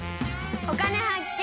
「お金発見」。